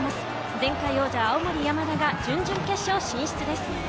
前回王者・青森山田が準々決勝進出です。